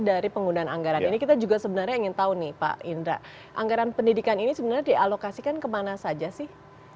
dari penggunaan anggaran ini kita juga sebenarnya ingin tahu nih pak indra anggaran pendidikan ini sebenarnya dialokasikan kemana saja sih